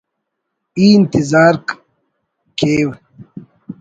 ای انتظار کیو